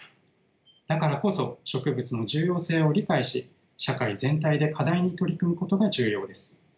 だからこそ植物の重要性を理解し社会全体で課題に取り組むことが重要です。